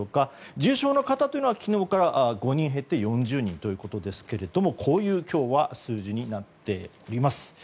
重症の方というのは昨日から５人減って４０人ということですがこういう今日は数字になっています。